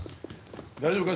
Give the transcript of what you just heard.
大丈夫か？